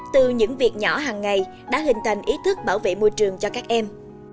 từ những việc nhỏ hàng ngày đã hình thành ý thức bảo vệ môi trường cho các em